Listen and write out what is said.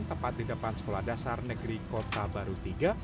tepat di depan sekolah dasar negeri kota baru iii